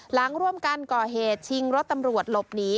หลังร่วมกันก่อเหตุชิงรถตำรวจหลบหนี